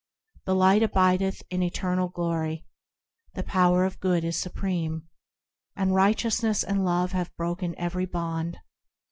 The Light abideth in eternal glory, The power of Good is supreme, And Righteousness and Love have broken every bond.